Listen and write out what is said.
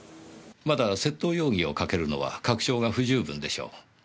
まだ窃盗容疑をかけるのは確証が不十分でしょう。